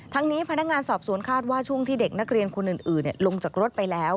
นี้พนักงานสอบสวนคาดว่าช่วงที่เด็กนักเรียนคนอื่นลงจากรถไปแล้ว